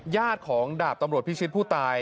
ญาติของดาบตำรวจพิชิตผู้ตาย